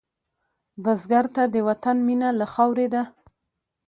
بزګر ته د وطن مینه له خاورې ده